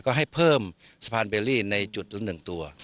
ก็ให้เพิ่มสะพานเบลลี่ในจุดละ๑ตัว